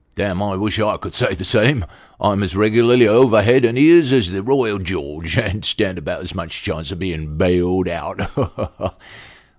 " Damme, I wish I could say the same. I am as regularly over head and ears as the Royal George, and stand about as much chance of being bailed out. Ha! ha! ha!"